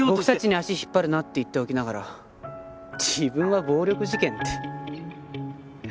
僕たちに足引っ張るなって言っておきながら自分は暴力事件って。